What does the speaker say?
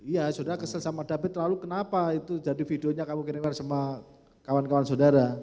ya saudara kesel sama david lalu kenapa itu jadi videonya kamu kirimkan sama kawan kawan saudara